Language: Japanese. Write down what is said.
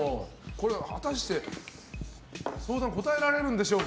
これ、果たして相談に答えられるんでしょうか。